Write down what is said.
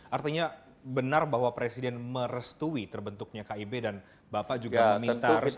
artinya benar bahwa presiden merestui terbentuknya kib dan bapak juga meminta restu